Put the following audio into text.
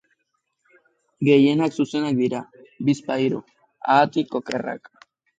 Gehienak zuzenak dira, bizpahiru, haatik, okerrak.